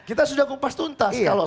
kita sudah kumpas tuntas kalau sudah